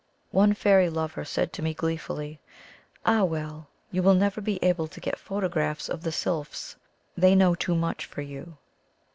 One fairy lover said to me gleefully, *Ah, well! you will never be able to get photographs of the sylphs — ^they know too much for you!'